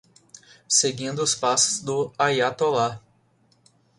Seguindo os passos do Aiatolá